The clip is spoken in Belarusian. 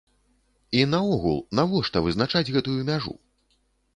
І наогул, навошта вызначаць гэтую мяжу?